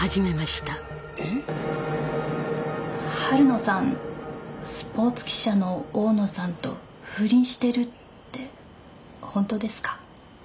晴野さんスポーツ記者の大野さんと不倫してるって本当ですか？